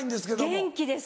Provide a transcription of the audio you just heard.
元気です！